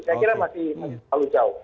saya kira masih jauh